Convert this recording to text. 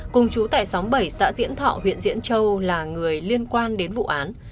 cùng chú tại xóm bảy xã diễn thọ huyện diễn châu là người liên quan đến vụ án